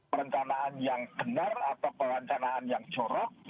perencanaan yang benar atau perencanaan yang jorok